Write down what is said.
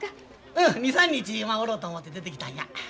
うん２３日まあおろうと思て出てきたんや。